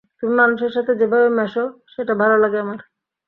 তুমি মানুষের সাথে যেভাবে মেশো, সেটা ভালো লাগে আমার।